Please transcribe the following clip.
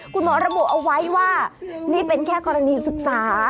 คุณหมอระบุเอาไว้ว่านี่เป็นแค่กรณีศึกษา